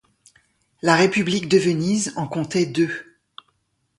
La République de Venise en comptait deux.